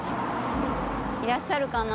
いらっしゃるかな。